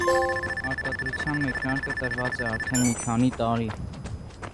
Արտադրության մեկնարկը տրված է արդեն մի քանի տարի։